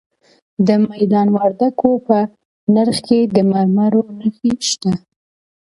د میدان وردګو په نرخ کې د مرمرو نښې شته.